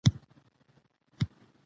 ادارې باید روڼ کار وکړي